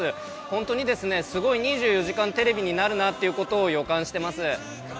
本当に、すごい２４時間テレビになるなっていうことを予感してます。